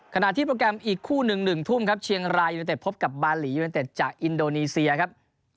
ขณะที่โปรแกรมอีกคู่๑๑ทุ่มครับเชียงรายอยู่ตั้งแต่พบกับบาหลีอยู่ตั้งแต่จากอินโดนีเซียครับ